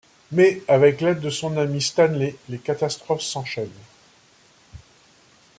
Mais avec l'aide de son ami Stanley, les catastrophes s'enchaînent.